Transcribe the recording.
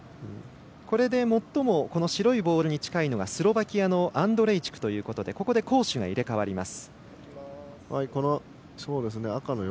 これで最もこの白いボールに近いのがスロバキアのアンドレイチクということで攻守が入れ代わります。